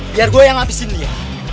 biar gue yang ngabisin dia